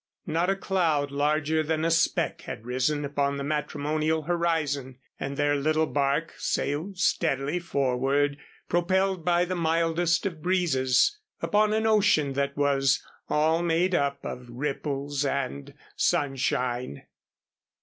Not a cloud larger than a speck had risen upon the matrimonial horizon and their little bark sailed steadily forward propelled by the mildest of breezes upon an ocean that was all made up of ripples and sunshine.